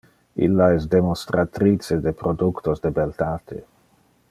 Illa es demonstratrice de productos de beltate.